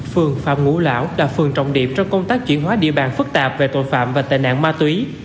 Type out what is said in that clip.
phường phạm ngũ lão là phường trọng điểm trong công tác chuyển hóa địa bàn phức tạp về tội phạm và tệ nạn ma túy